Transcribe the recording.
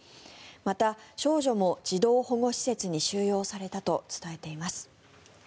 また、少女も児童保護施設に収容されたと伝えています。